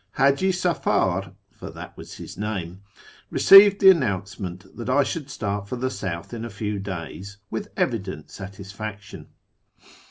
Haji Safar — for that was his name — received the announce ment that I should start for the south in a few days with evident satisfaction.